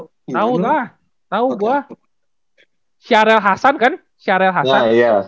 tau lah tau gua sharel hasan kan sharel hasan